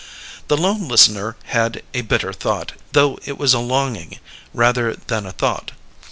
The lone listener had a bitter thought, though it was a longing, rather than a thought.